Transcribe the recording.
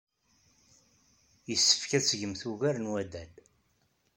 Yessefk ad tgemt ugar n waddal.